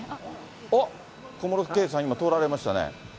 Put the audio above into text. あっ、小室圭さん、今、通られましたね。